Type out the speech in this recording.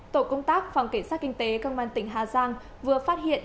tổ công tác phòng cảnh sát kinh tế công an tỉnh hà giang vừa phát hiện